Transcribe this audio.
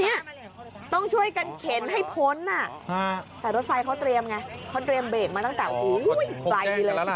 เนี่ยต้องช่วยกันเข็นให้พ้นแต่รถไฟเขาเตรียมไงเขาเตรียมเบรกมาตั้งแต่ไกลเลยล่ะ